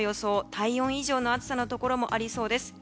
体温以上の暑さのところもありそうです。